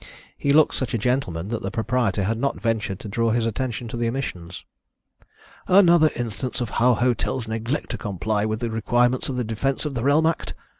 He looked such a gentleman that the proprietor had not ventured to draw his attention to the omissions. "Another instance of how hotels neglect to comply with the requirements of the Defence of the Realm Act!"